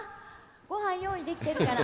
ごはん用意できてるから。